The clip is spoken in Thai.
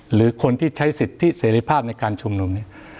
หรือคนที่ใช้สิทธิเสรีภาพในการชุมนุมเนี่ย